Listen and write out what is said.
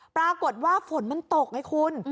ปรากฏว่าฝนมันตกไงคุณ